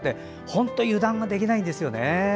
本当に油断ができないんですよね。